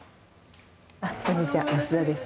こんにちは、増田です。